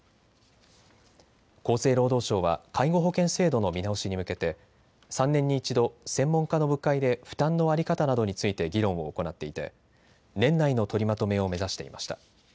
厚生労働省は介護保険制度の見直しに向けて３年に一度、専門家の部会で負担の在り方などについて議論を行っていて年内の取りまとめを目指していました。